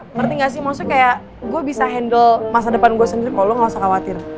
ngerti gak sih maksudnya kayak gue bisa handle masa depan gue sendiri kalau lo gak usah khawatir